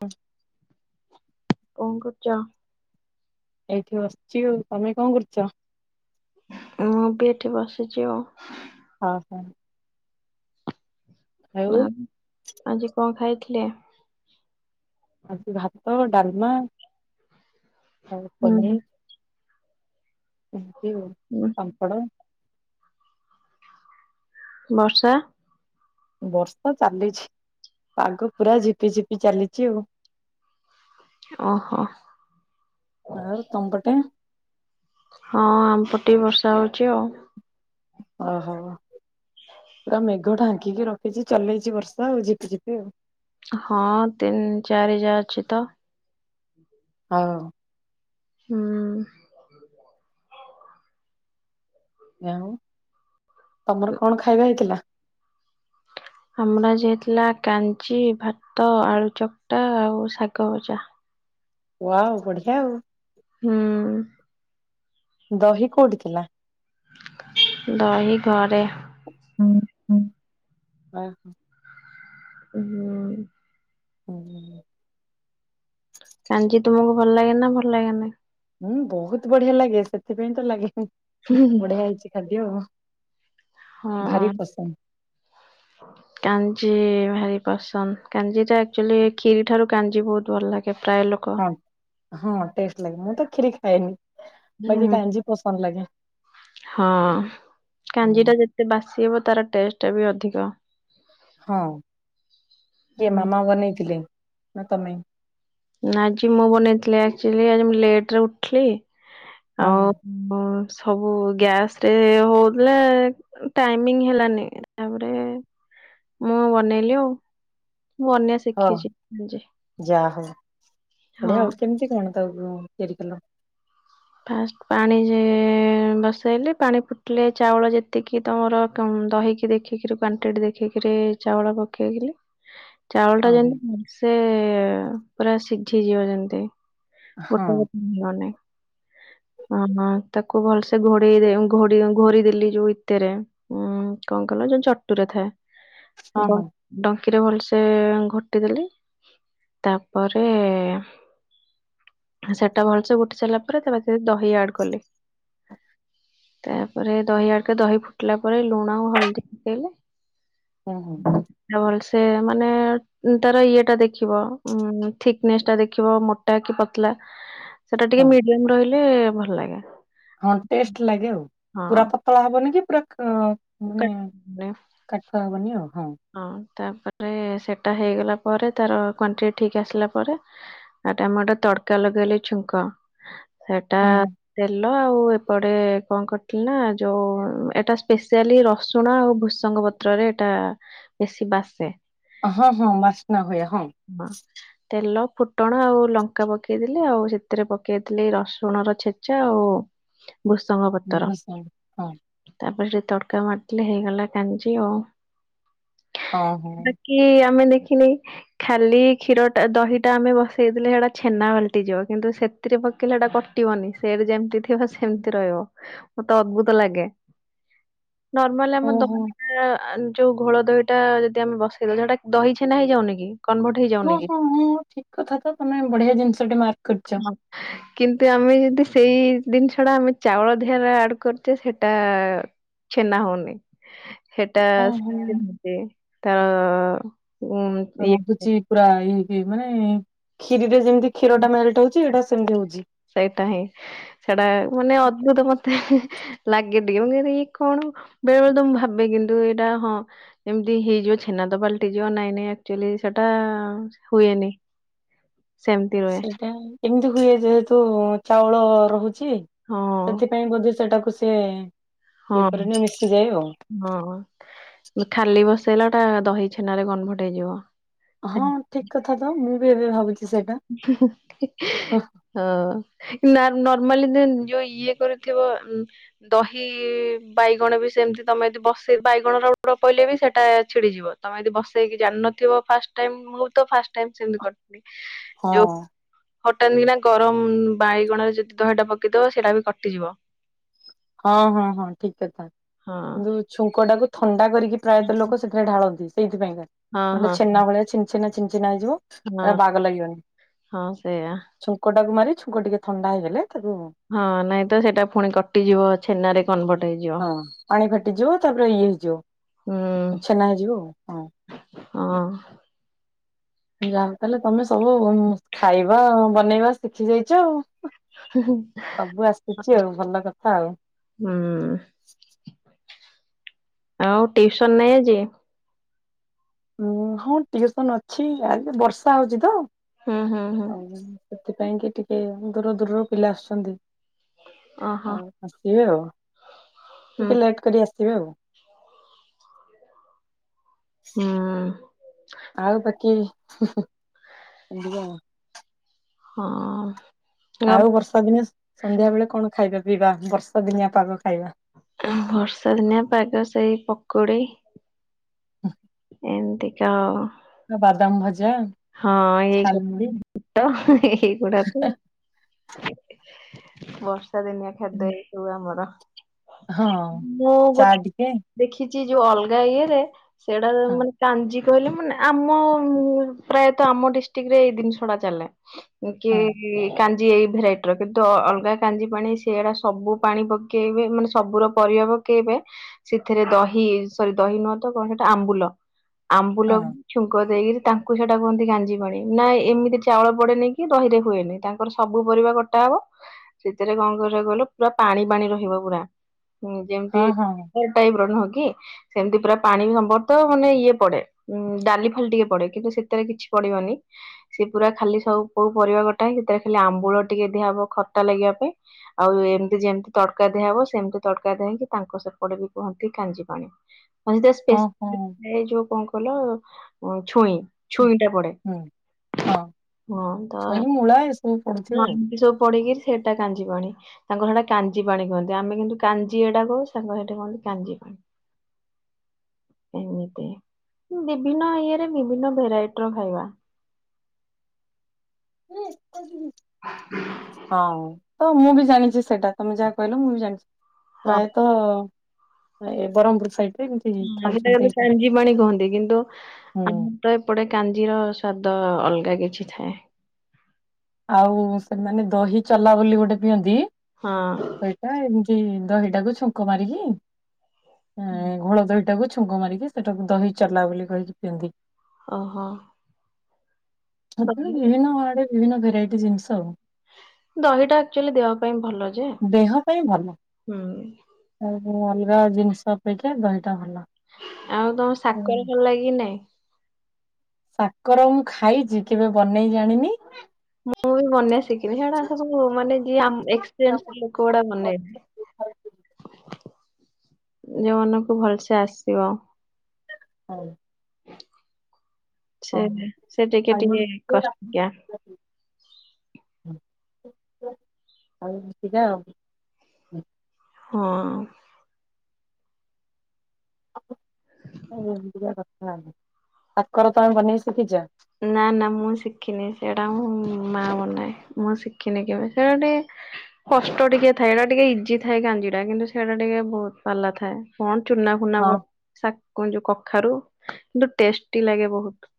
ହୁଁ କଁ କରୁଚ। ଏଇଠି ବସିଚି ଆଉ ତମେ କଣ କରୁଚ। ମୁଁ ବି ଏଠି ବସିଚି ଆଉ। ହଁ ହୋ। ମାମ ଆଜି କଣ ଖାଇଥିଲେ। ଆଜି ଭାତ ଡାଲମା ଆଉ ହୁଁ ପନିର। ଏମତି ଆଉ ହୁଁ ପାମପଡ଼। ବର୍ଷା। ବର୍ଷା ଚାଲିଚି ପାଗ ପୁରା ଝିପି ଝିପି ଚାଲିଚି ଆଉ। ଓହୋ ଆଉ ତମପଟେ। ହଁ ଆମପଟେ ବି ବର୍ଷା ହଉଛି ଆଉ। ଓ ହୋ ର ମେ ମେଘ ଢାଙ୍କିକି ରଖିଚି ଚଲେଇଛି ବର୍ଷା ଆଉ ଜିପି ଜିପି ଆଉ। ହଁ ତିନି ଚାରି ଯା ଅଛି ତ। ହଁ। ହୁଁ। ଆଉ ତମର କଣ ଖାଇବା ହେଇଥିଲା। ଆମର ଆଜି ହେଇଥିଲା କାଞ୍ଚି ଭାତ ଆଳୁ ଚକଟା ଆଉ ଶାଗ ଭଜା। ୱାଓ ବଢିଆ ଆଉ। ହୁଁ। ଦହି କୋଉଠି ଥିଲା। ଦହି ଘରେ। ହୁଁ ହୁଁ ଆ ହଁ। ହୁଁ। ହୁଁ। କାଞ୍ଜି ତୁମକୁ ଭଲ ଲାଗେ ନା ଭଲ ଲାଗେନି? ହୁଁ ବହୁତ ବଢିଆ ଲାଗେ ସେଥିପାଇଁ ତ ଲାଗେ ହିଁ ବଢିଆ ହେଇଛି ଖାଦ୍ୟ ଆଉ ହଁ ଭାରି ପସନ୍ଦ କା ଞ୍ଜି ଭାରି ପସନ୍ଦ କାଞ୍ଜିଟା ଆକ୍ଚୁଲି କ୍ଷୀରି ଠାରୁ କାଞ୍ଜି ବହୁତ ଭଲ ଲା ହଁ ହଁ ଟେଷ୍ଟ ଲାଗେ ମୁଁ ତ କ୍ଷିରି ଖାଏନି ବାକି ହୁଁ କାଞ୍ଜି ପସନ୍ଦ ଲାଗେ। ହଁ ହୁଁ କାଞ୍ଜି ଟା ଯେତେ ବାସି ହେବ ତାର ଟେଷ୍ଟ ଟା ବି ଅଧିକ। ହଁ କିଏ ହୁଁ ମାମା ବନେଇଥିଲେ ନା ତମେ? ଆଜି ମୁଁ ବନେଇଥିଲି ଆକଚୁଆଲି ଆଜି ମୁଁ ଲେଟ ରେ ଉଠିଲି। ହଁ ହଁ। ଆଉ ଉଁ, ସବୁ ଗ୍ୟାସ ରେ ହଉଥିଲା ଉଁ ଟାଇମିଙ୍ଗ ହେଲାନି ତାପରେ। ମୁଁ ବନେଇଲି ଆଉ ମୁଁ ବନେଇଆ ହଁ ଶିଖିଛି ନିଜେ। ବଢ଼ିଆ ହଁ ଆଉ କେମିତି କଣ ତାକୁ ତିଆରି କଲ? ଫାଷ୍ଟ ପାଣି ଯେ ବସେଇଲି ପାଣି ଫୁଟିଲେ ଚାଉଳ ଯେତିକି ତମର ତମ ଦହିକି ଦେଖିକିରି କ୍ୱାଣ୍ଟିଟି ଦେଖିକିରି ଚାଉଳ ପକେଇକରି। ଚାଉଳ ଟା ହଁ ଯେମିତି ଭଲ ସେ ପୁରା ସିଝିଯିବ ଯେମିତି। ଗୋଟା ହଁ ଗୋଟା ମିଳିବ ନାହିଁ। ମାମା ତାକୁ ଭଲସେ ଘୋଡ଼େଇ ଦେ ଘୋଡି ଘୋରି ଦେଲି ଯୋଉ ଇତେରେ ଉଁ କଣ ଖୋଲା ଯୋଉ ଚଟୁରେ ହଁ ଥାଏ ବ ହଁ ଡ଼। ଖିରେ ଭଲସେ ଘୋଟିଦେଲି ତାପରେ। ସେଟା ଭଲସେ ଉଠି ସାରିଲା ପରେ ତାପରେ ସେ ଦହି ଆଡ୍ କଲି। ତାପରେ ଦହି ଆଡକେ ଦହି ଫୁଟିଲା ପରେ ଲୁଣ ଆଉ ହଳଦୀ ପକେଇଲି। ହଁ ହଁ ହଁ ଭଲ ସ ସେ ମାନେ ଉଁ ତାର ଇଏ ଟା ଦେଖିବ ଉଁ ଥିକନେସ୍ ଟା ଦେଖିବ ମୋ ମୋଟା କି ପତଲା ସେଟା ଟିକେ ହଁ। ମିଡିୟମ ରହିଲେ ଭଲ ଲାଗେ। ହଁ ଟେଷ୍ଟ ଲାଗେ ଆଉ ପୁରା ହଁ ପତଳା ହବନି କି ପୁରା କା ତ ମାନେ କାଟିବନି କାଠୁଆ ହବନି ଆଉ ହଁ। ହଁ ତାପରେ। ଏ ସେଟା ହେଇଗଲା ପରେ ତାର କ୍ୱାଣ୍ଟିଟି ଠିକ୍ ଆସିଲା ପରେ ଆ ଏଟା ମୁଁ ଟେ ତଡ଼କା ଲଗେଇଲି ଛୁଙ୍କ। ସେଟା ହଁ ହଁ ତେ ତେଲ ଆଉ ଏପଟେ କଣ କରିଥିଲି ନା ଯୋଉ ଏଟା ସ୍ପେଶିଆଲି ରସୁଣ ଆଉ ଭୃସଙ୍ଗ ଓ ପତ୍ରରେ ଏଇଟା ବେଶୀ ବାସେ। ହଁ ହଁ ବାସ୍ନା ହୁଏ ହଁ। ତେଲ ଫୁଟଣ ଆଉ ଲଙ୍କା ପକେଇ ଦେଲି ଆଉ ସେଥିରେ ପକେଇଥିଲି ରସୁଣର ଛେଚା ଆଉ। ଭୃସଙ୍ଗ ପତର ବାସ୍ନା ହୁଏ। ତାପରେ ଯେ ତଡ଼କା ମାରିଥିଲି ହେଇଗଲା କାଞ୍ଜି ଆଉ ହଁ ହଁ ହଁ ବାକି ଆମେ ଦେ ଦେଖିଲି ଖାଲି କ୍ଷୀର ଟା ଦହିଟା ଆମେ ବସେଇ ଦେଲେ ସେଟା ଛେନା ପାଲଟିଯିବ କିନ୍ତୁ ସେଥିରେ ପକେଇଲେ ଏଟା କଟିବନି ସେଟା ଯେମିତି ଥିବ ସେମିତି ରହିବ ମତେ ଅଦ୍ଭୁତ ଲାଗେ। ନର୍ମାଲ ଆମର ଓହୋ ଦହି ଟା ଆଁ ଘୋଳ ଦହିଟା ଯଦି ଆମେ ବସେଇ ଦଉଚେ ସେଇଟା ଦହି ଛେନା ହେଇଯାଉନି କି? କନଭର୍ଟ ହଁ ହେଇଯାଉନି କି ହଁ ହଁ ଠିକ କଥା ତ ତମେ ବଢ଼ିଆ ଜିନିଷ ଟେ ମାର୍କ କରିଛ। ହଁ। କିନ୍ତୁ ଆମେ ଯଦି ସେଇ ଜିନିଷ ଟା ଆମେ ଚାଉଳ ଦେହରେ ଆଡ କରୁଛେ ସେଟା। ଛେନା ହଉନି ସେଟା ହଁ ହଁ। ସେ ତାର ଉଁ ଇଏ ରହୁଚି ପୁରା ଏଇ ଏଇ ମାନେ କ୍ଷୀରିରେ ଯେମିତି କ୍ଷୀର ଟା ମେଲଟ୍ ହୋଉଚି ସେଇଟା ସେମିତି ହୋଉଚି। ସେଇଟା ହିଁ ସେଟା ମାନେ ଅଦ୍ଭୁତ ମତେ ଲାଗେ ଟିକେ, ମୁଁ ଇ କଣ ବେଳେ ବେଳେ ତ ମୁଁ ଭାବେ କିନ୍ତୁ ଏଇଟା ହଁ ଏମିତି ହେଇଯିବ ଛେନା ତ ପାଲଟି ଯିବ ନାଇଁ ନାଇଁ ଆକଚୁଆଲି ସେଟା ହୁଏ ସେମିତି ରୁହେ। ସେଇଟା ଏମିତି ହୁଏ ଯେହେତୁ ଚାଉଳ ରହୁଚି ହଁ ସେଥିପାଇଁ ବୋଧେ ସେଟାକୁ ସେ ହଁ ହଁ ଖାଲି ବସେ ଟା ଦହି ଛେନାରେରେ କନଭଟ ହେଇଯିବ। ହଁ ଠିକ କଥା ତ ମୁଁ ବି ଏବେ ଭାବୁଚି। ହଁ [unintelligible] ମା ଯୋଉ ଇଏ କରିିବ ଦହି ବାଇଗଣ ବି ସେମିତି ତମେ ଯ ବ ବାଇଗଣ ରଡ ପହିଲଲେ ବି ସେଟା ଛିଡିଯିବ, ତମେ ଯଦି ବସେଇକି ଜାଣିନଥିବ ଫାଷ୍ଟ ଟାଇମ ମୁଁ ବି ତ ଫାଷ୍ଟ ସେ [unintelligible] କରି ହଁ। ହଟାନ୍ତି କିନା ଗରମ ବାଇଗଣରେ ଯଦି ଦହିଟା ପକେଇଦବା ସେଇଟା ବି କଟିଯିବ। ହଁ ହଁ ହଁ ଠିକ କଥା, ହଁ। କିନ୍ତୁ ଛୁଙ୍କ ଟାକୁ ଥଣ ତା କରିକି ପ୍ରାୟତଃ ଲୋକ ସେଥିରେ ଢାଳନ୍ତି ହଁ ହଁ ସେଇଥିପକାେଲେ ଛେନା ଭଳିଆ ଛେନା। ଚିହ୍ନା ହଁ ହେଇଯିବ ବାଗ ଲାଗିବନି, ହଁ ସେଇଆ ଛୁଙ୍କ ଟାକୁ ମାରି ଛୁଙ୍କ ଟିକେ ଥଣ୍ଡା ହେଇଗଲେ ତାକୁ ହଁ ନାଇଁ ତ ସେଇଟା ପୁଣି କଟିଯିବ ଛେନାରେ କନଭର୍ଟ ହେଇଯିବ ହଁ ପାଣି ଫାଟି ଯିବ ତାପରେ ଇଏ ହେଇ ହୁଁ ଯିବ। ଛେନ ହେ ଯିବୁ ଆଉ ହଁ। ହଁ ଯାହା ତାହେଲେ ତମେ ସବୁ ଖାଇବା ବନେଇବା ଶିଖି ଯାଇଚ ଆଉ। ସବୁ ଆସିୁଚି ଆଉ ଭଲ କଥା ଆଉ। ହୁଁ ଆଉ ଟିଉସନ ନାଇଁ ଆଜି? ଉଁ ହଁ ଟିଉସନ ଅଛି, ଆଜି ବର୍ଷା ହୋଉଚି ତ। ହଁ ହଁ ହଁ। ଆଉ ସେଥିପାଇଁ କି ଟିକେ ଦୂର ଦୂରରୁ ପିଲା ଆସୁଛନ୍ତି, ଓହୋ ଆଉ ଆସିବେ ଆଉ ହୁଁ ଟିକେ ଲେଟ କରି ଆସିବେ ଆଉ। ହଁ। ଆଉ ବାକି ହଁ। ଗ- ଆଉ ବର୍ଷା ଦିନିଆ ସନ୍ଧ୍ୟା ବେଳେ କଣ ଖାଇବା ପିଇବା ବର୍ଷା ଦିନିଆ ପାଗ ଖାଇବା? ବର୍ଷା ଦିନିଆ ପାଗ ସେଇ ପକୁୋଡି। ହ ଏନ୍ତିକା ବାଦାମ ଭ ହଁ ଏଇ ଏଇଗଡା ତ ବର୍ଷା ଦିନିଆ ଖାଦ୍ୟ ଏଇ ସବୁ ଆମର। ହଁ ମୁଁ ଚା ଗୋଟେ ଟିକେ ଦେଖି ଯୋଉ ଅଲଗା ଇଏରେ ସେଇଟା ହଁ ମାନେ କାଞ୍ଜି କହିଲେ ମାନେ ଆମ ପ୍ରାୟତଃ ଆମ ଡିଷ୍ଟ୍ରିକ୍ଟ ରେ ଏଇ ଜିନିଷ ଟା ଚାଲେ, କି ହଁ ଯ ଏଇ ଭେରାଇଟିର କିନ୍ତୁ ଅଲଗା କାଞ୍ଜି ପାଣି ସେଆଡା ସବୁ ପାଣି ପକେଇବେ ମାନେ ସବୁର ପରିବା ପକେଇବେ ସେଥିରେ ଦହି ସରି ଦହି ନୁହଁ ତ କଣ ସେଟା ଆମ୍ବୁଲ। ଆମ୍ବୁ ହଁ ଲଗ ଛୁଙ୍କ ଦେଇକିରି ତାକୁ ସେଟା କୁହନ୍ତି ଗାଞ୍ଜିି ପାଣି, ନାଇଁ ଏମିତି ଚାଉଳ ପଡେନି କି ରହିରେ ହୁଏନି ତାଙ୍କର ସବୁ ପରିବା ଫୁଟା ହବ। ସେଥିରେ କଣ କରିବାକୁ ଗଲେ ପୁରା ପାଣି ପାଣି ରହିବ ପୁରା। ହୁଁ ଯେମିତି ହଁ ହଁ। ଟାଇପ ର ନୁହଁ କି କି ସେମିତି ପୁରା ପାଣି ସମ୍ବର୍ତ ମାନେ ଇଏ ପଡେ ଉ ଡାଲି ଫାଲି ଟିକେ ପଡେ କିନ୍ତୁ ସେଥିରେ କିଛି ପଡିବନି ସେି ପୁରା ଖାଲି ସବୁ କୋଉ ପରିବା ଗଟାଏ ସେଥିରେ ଖାଲି ଆମ୍ବୁଳ ଟିକେ ଦ ଖଟା ଲାଗିବା ପାଇଁ ଆଉ ଏମିତି ଯେମିତି ତଡକା ଦିଆହବ ସେମିତି ତଡକା ଦ ହେଇକି ତାଙ୍କ ସ କଆଡେ ବି କୁହନ୍ତି କାଞ୍ଜି ପାଣି ହ ସ ହଁ ସ୍ ହଁ ଏ ଯୋଉ କଣ କଲ ଛୁଇଁ ଛୁଇଁଟା ପଡ଼େ ହୁଁ ହଁ ହଁ ତ ଛୁଇଁ ମୂଳା ଏସବୁ ପଡୁଥିବ ଏମତି ସବୁ ପଡିକିରି ସେଟା କାଜିବଣି ତାଙ୍କର ସେଇଟା କାଞ୍ଜି ପାଣି କୁହନ୍ତି ଆମେ କିନ୍ତୁ କାଞ୍ଜି ଏଇଟା କହୁ ସାଙ୍ଗ ସେଇଠା କୁହନ୍ତି କାଞଜି ପାଣି ଏମିତି ବିଭିନ୍ନ ଇଏରେ ବିଭିନ୍ନ ଭେରାଇଟିର ଖାଇବା ହଁ ତ ମୁଁ ବି ଜାଣିଛି ସେଇଟା ତମେ ଯାହା କହିଲ ମୁଁ ବି ଜାଣିଛି। ହଁ ପ୍ରାୟତଃ ଏ ବ୍ରହ୍ମପୁର ସାଇଡ। ରେ ଏମିତି ହଁଟ ଖାଉଛନ୍ତି ଏଇଟା କାଞ୍ଜି ପାଣି କୁହନ୍ତି କିନ୍ତୁ ହୁଁ ଆମର ତ ଏପଟେ କାଞ୍ଜିର ସ୍ଵାଦ ଅଲଗା। କିଛିି ଥାଏ। ଆଉ ସେମାନେ ଦହି ଚଲା ବୋଲି ଗୋଟେ ପିଅନ୍ତି। ହଁ। ସେ ଦହିଟାକୁ ଛୁଙ୍କ ମାରିକି ଘୋଳ ଦହିଟାକୁ। ୁଙ୍ଗ ମାରିକି ସେଟାକୁ ଦହି ଚଲଲା ବୋଲି କହିକି ପିଅନ୍ତି। ଓହୋ। ଆ ଦହି ବିଭିନ୍ନ ଆଡ଼େଡେ ବିଭିନ୍ନ ଭେରାଇଟି ଜିନିଷ ଆଉ ଦହିଟା ଆକଚୁଆଲି ଦେହ ପାଇଁ ଭଲ । ଦେହ ପାଇଁ ଭଲ, ଆ ଅଲଗା ଜିନିଷ ଅପେକ୍ଷା ଦହ ଆଉ ତମ ସାକର ଭଲ ଲାଗ କି ନାଇଁ? ସାକର ମୁଁ ଖାଇଛି କେବେ ବନେଇ ଜାଣିନି। ମୁଁ ବି ବନେଇବା ଶିଖିନି ସେଇଡା ସବୁ ମାନେ ଏକ୍ସପିରିଏନ୍ସ ହଉ ଲୋକ ଗୁଡା ବନେଇବେ। ଯେଉଁ ମାନଙ୍କୁ ଭଲସେ ଆସିବ। ହଉ। ସେ [unintelligible] ସେ ଟିକେ ଟିକେ ଆଉ କଷ୍ଟିକିଆ ଯିବା ଆଉ। ହଁ। କାକର ତମେ ବନେଇ ଶିଖିଛ? ନା ନା ମୁଁ ଶିଖିନି ସେଇଟା ମୁଁ ମା ବନାଁଏ, ମୁଁ ଶିଖିନି କେବେ ସେଇଟା ଟିକେ କଷ୍ଟ ଟିକେ ଥାଏ ସେଇଟା ଟିକେ ଇଜି ଥାଏ କା ରା କିନ୍ତୁ ସେଇଟା ଟିକେ ବହୁତ ପାଲା ଥାଏ କଣ ଚୁନା ଫୁନା ହଁ ବନା କଣ ଯୋ କଖାରୁ କିନ୍ତୁ ଟେଷ୍ଟି ଲାଗେ ବହୁତ।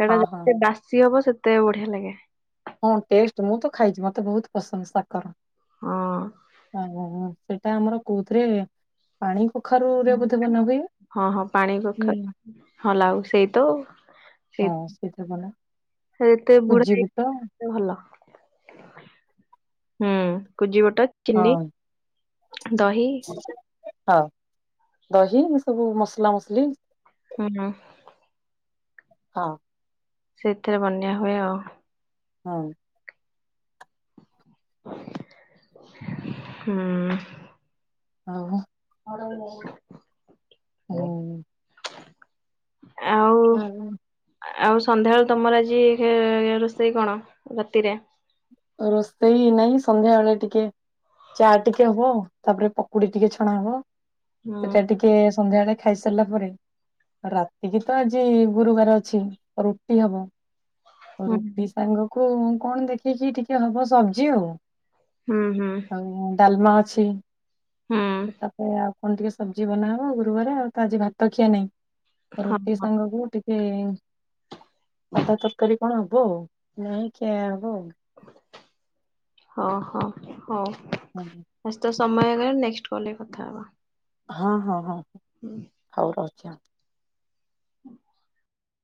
ସେଟା ହଁ ହଁ ଯେତେ ବାସି ହବ ସେତେ ବଢିଆ ଲାଗେ। ହଁ ଟେଷ୍ଟ ମୁଁ ତ ଖାଇଛି ମତେ ବହୁତ ପସନ୍ଦ ସାକର। ହଁ ସେଟା ଆମର କୋଉଥିରେ ପାଣି କଖାରୁରେ ବୋଧେ ବନା ହୁଏ। ହଁ ହଁ ପାଣି କଖାରୁ ହଁ ଲାଉ ସେଇ ତ ସେ ହଁ ସେଇଥିରେ ବନା ଯେତେ ବୁଢା ସୁଜି ହେଇ ବୁଟ ଭଲ। ହୁଁ କୁଜିିବଟା ହଁ ଚିନି ଦହି। ହଁ ଦହି ଏ ସବୁ ମସଲା ମସଲି ହୁଁ। ହଁ। ସେଥିରେ ବନ୍ୟା ହୁଏ ଆଉ। ହଁ। ହୁଁ। ହଉ। [unintelligible] ହୁଁ। ଆଉ ହଁ। ଆଉ ସନ୍ଧ୍ୟାବେଳୁ ତମର ଆଜି ହେ ରୋଷେଇ କଣ ରାତିରେ? ରୋଷେଇ ନାହିଁ ସନ୍ଧ୍ୟା ବେଳେ ଟିକେ ଚା ଟିକେ ହବ ତାପରେ ପକୁଡି ଟିକେ ଛଣା ହବ ହୁଁ ସେଟା ଟିକେ ସନ୍ଧ୍ୟାବେଳେ ଖାଇ ସାରିଲା ପରେ। ରାତିକି ତ ଆଜି ଗୁରୁବାର ଅଛି ରୁଟି ହବ। ହୁଁ ରୁଟି ସାଙ୍ଗ କୁ କଣ ଦେଖିକି ଟିକେ ହବ ସବଜି ଆଉ। ହୁଁ ହୁଁ। ଆଉ ଡାଲମା ଅଛି ହୁଁ ତାପଏ ଆଉ କଣ ଟିକେ ସବଜି ବନାହବ ଆଉ ଗୁରୁବାରେ ଆଉ ତ ଆଜି ଭାତ ଖିଆ ନାହିଁ ହଁ ରୁଟି ହଁ। ସାଙ୍ଗକୁ ଟି [unintelligible] ସାଧା ତରକାରୀ କଣ ହବ ଆଉ ନାଇଁ ଖିଆ ହବ ଆଉ। ଓହୋ ହଉ ଆଉ। ଆଜି ତ ସମୟହେଲାଣି ନେକଷ୍ଟ୍ କଲରେ କଥା ହବା । ହଁ ହଁ ହଁ ହଉ ରହୁଚି ଆ । ହୁଁ।